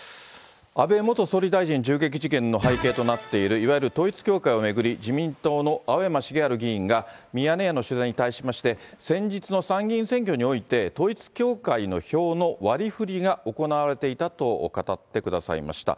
安倍元総理大臣銃撃事件の背景となっている、いわゆる統一教会を巡り、自民党の青山繁晴議員が、ミヤネ屋の取材に対しまして、先日の参議院選挙において、統一教会の票の割りふりが行われていたと語ってくださいました。